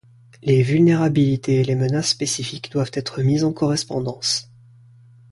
Les vulnérabilités et les menaces spécifiques doivent être mises en correspondances.